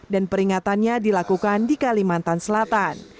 dan peringatannya dilakukan di kalimantan selatan